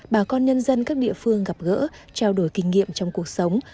bà con nhân dân các địa phương gặp gỡ trao đổi kinh nghiệm trong cuộc sống